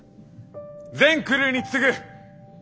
全クルーに告ぐ！